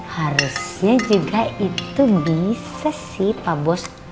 harusnya juga itu bisa sih pak bos